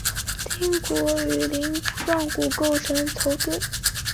顶骨与鳞状骨构成头盾。